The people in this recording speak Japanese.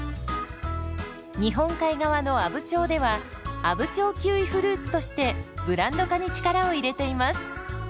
日本海側の阿武町では「阿武町キウイフルーツ」としてブランド化に力を入れています。